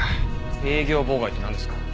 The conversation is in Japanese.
営業妨害ってなんですかね？